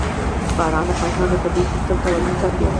باران د افغانستان د طبعي سیسټم توازن ساتي.